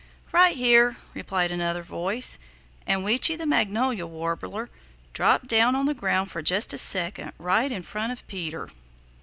"Right here," replied another voice and Weechi the Magnolia Warbler dropped down on the ground for just a second right in front of Peter.